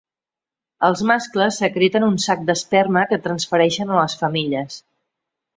Els mascles secreten un sac d'esperma que transfereixen a les femelles.